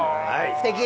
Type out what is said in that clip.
すてき！